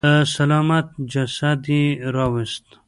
سلامت جسد يې راويست.